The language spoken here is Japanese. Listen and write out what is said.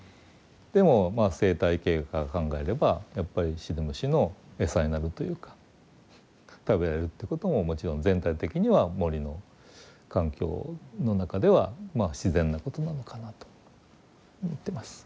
でもまあ生態系から考えればやっぱりシデムシの餌になるというか食べられるってことももちろん全体的には森の環境の中ではまあ自然なことなのかなと思ってます。